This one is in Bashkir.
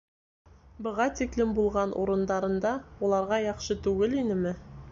Быға тиклем булған урындарында уларға яҡшы түгел инеме?